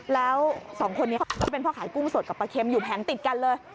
แล้วสองคนนี้เขาเป็นพ่อขายกุ้งสดกับปลาเค็มอยู่แผงติดกันเลย